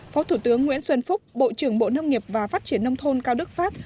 phó thủ tướng nguyễn xuân phúc bộ trưởng bộ nông nghiệp và phát triển nông thôn cao đức pháp